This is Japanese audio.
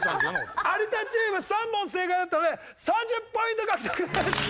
有田チーム３問正解だったので３０ポイント獲得です。